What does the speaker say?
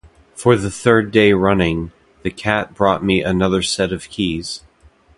For the third day running, the cat brought me another set of keys.